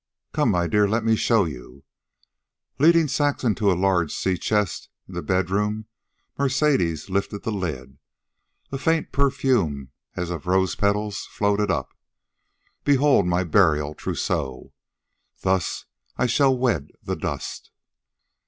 "Come, my dear, let me show you." Leading Saxon to a large sea chest in the bedroom, Mercedes lifted the lid. A faint perfume, as of rose petals, floated up. "Behold, my burial trousseau. Thus I shall wed the dust."